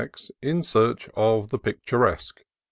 IN SEARCH OF THE PICTURESQUE.